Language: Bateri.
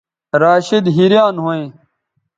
راشدحیریان ھویں